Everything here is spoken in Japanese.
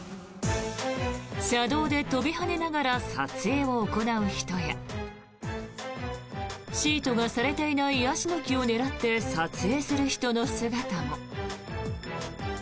車道で跳びはねながら撮影を行う人やシートがされていないヤシの木を狙って撮影する人の姿も。